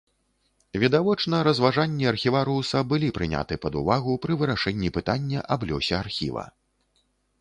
Відавочна, разважанні архіварыуса былі прыняты пад увагу пры вырашэнні пытання аб лёсе архіва.